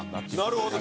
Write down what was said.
なるほど。